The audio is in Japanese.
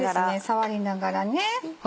触りながら。